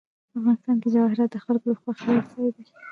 افغانستان کې جواهرات د خلکو د خوښې وړ ځای دی.